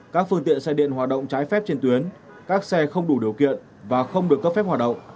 các phương tiện xe điện hoạt động trái phép trên tuyến các xe không đủ điều kiện và không được cấp phép hoạt động